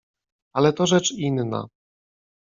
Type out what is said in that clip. "Ale to rzecz inna."